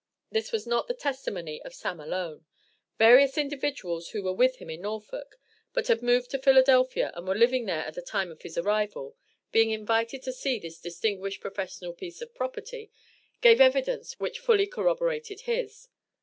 This was not the testimony of "Sam" alone; various individuals who were with him in Norfolk, but had moved to Philadelphia, and were living there at the time of his arrival, being invited to see this distinguished professional piece of property, gave evidence which fully corroborated his.